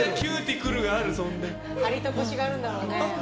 ハリとコシがあるんだろうね。